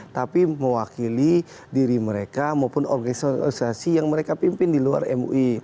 tapi mewakili diri mereka maupun organisasi organisasi yang mereka pimpin di luar mui